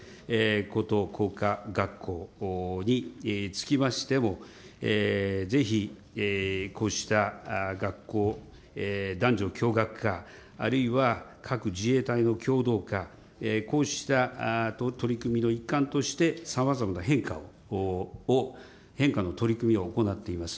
高等工科学校等につきましても、ぜひこうした学校、男女共学化、あるいは各自衛隊の共同化、こうした取り組みの一環として、さまざまな変化を、変化の取り組みを行っています。